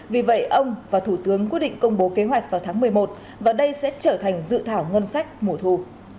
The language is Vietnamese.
vì vậy ông và thủ tướng quyết định công bố kế hoạch vào tháng một mươi một và đây sẽ trở thành dự thảo ngân sách mùa thu